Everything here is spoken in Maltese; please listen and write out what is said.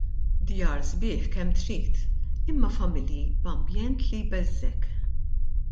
Djar sbieħ kemm trid, imma familji b'ambjent li jbeżżgħek.